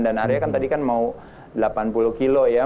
dan aria kan tadi mau delapan puluh kilo ya